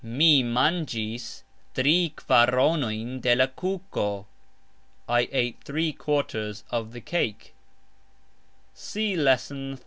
Mi mangxis tri kvaronojn de la kuko", I ate three quarters of the cake (see Lesson 35).